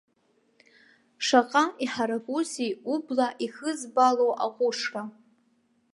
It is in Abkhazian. Шаҟа иҳаракузеи убла ихызбало аҟәышра!